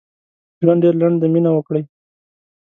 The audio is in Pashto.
ژوند ډېر لنډ دي مينه وکړئ